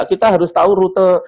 kita harus tahu rute